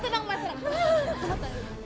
tenang ma tenang ma